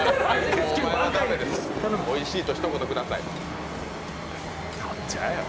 おいしいとひと言ください。。